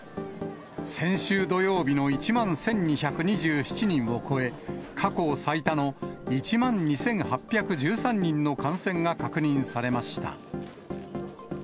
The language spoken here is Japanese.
先週土曜日の１万１２２７人を超え、過去最多の１万２８１３人の感染が確認されました。